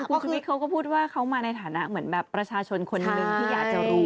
คุณชุวิตเขาก็พูดว่าเขามาในฐานะเหมือนแบบประชาชนคนหนึ่งที่อยากจะรู้